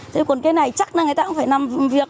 thế còn cái này chắc là người ta cũng phải làm việc